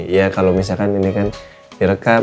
ya kalau misalkan ini kan direkam